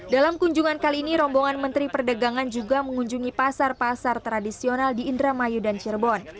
dalam kunjungan kali ini rombongan menteri perdagangan juga mengunjungi pasar pasar tradisional di indramayu dan cirebon